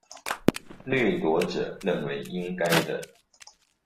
掠奪者認為應該的